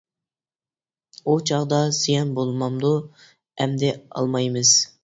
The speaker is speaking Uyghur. ئۇ چاغدا زىيان بولمامدۇ؟ -ئەمدى ئالمايمىز.